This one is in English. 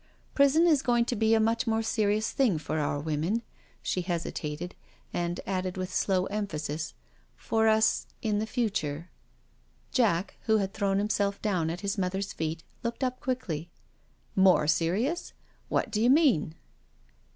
Prison is going to be a much more serious thing for our women. •••" She hesitated, and added with slow emphasis, '* for us, in future." Jack, who had thrown himself down at his mother's feet, looked up quickly: More serious — what do you mean?"